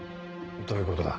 どういうことだ？